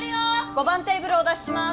５番テーブルお出しします